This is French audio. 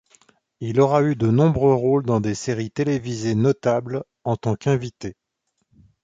Il aura eu de nombreux rôles dans des séries télévisées notables, en tant qu'invité.